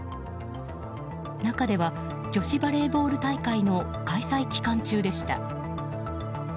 中では女子バレーボール大会の開催期間中でした。